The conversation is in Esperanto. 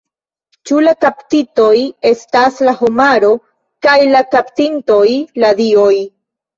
Ĉu la kaptitoj estas la homaro kaj la kaptintoj la dioj?